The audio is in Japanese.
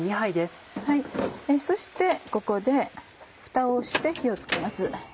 そしてここでフタをして火をつけます。